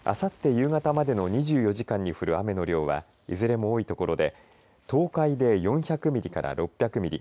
夕方までの２４時間に降る雨の量はいずれも多い所で東海で４００ミリから６００ミリ